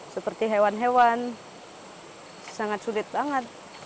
seperti hewan hewan sangat sulit banget